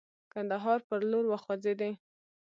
کندهار پر لور وخوځېدی.